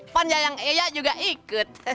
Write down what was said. panjang yang eya juga ikut